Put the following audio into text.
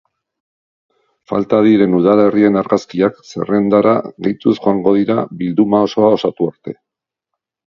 Falta diren udalerrien argazkiak zerrendara gehituz joango dira bilduma osoa osatu arte.